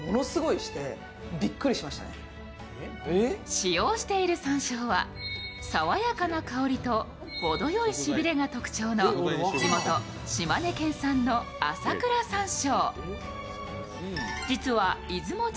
使用しているさんしょうは爽やかな香りと程良いしびれが特徴の地元、島根県産の朝倉山椒。